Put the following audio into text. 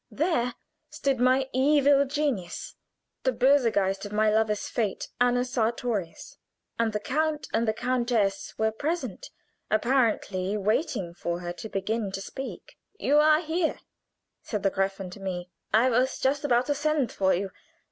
There stood my evil genius the böser Geist of my lover's fate Anna Sartorius. And the count and countess were present, apparently waiting for her to begin to speak. "You are here," said the Gräfin to me. "I was just about to send for you.